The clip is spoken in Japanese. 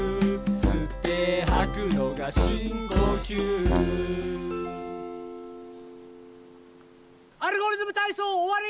「すってはくのがしんこきゅう」「アルゴリズムたいそう」おわり！